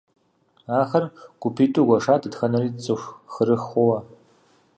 Ахэр гупитIу гуэшат, дэтхэнэри цIыху хырых хъууэ.